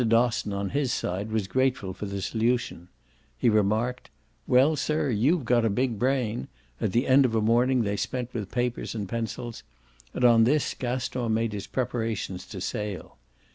Dosson, on his side, was grateful for the solution; he remarked "Well, sir, you've got a big brain" at the end of a morning they spent with papers and pencils; and on this Gaston made his preparations to sail.